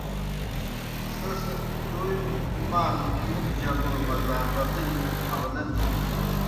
سیْس تومیْ مال مُتہ جگوڑ مضاربتِجیْ حاؤلہ تِھیسیْ۔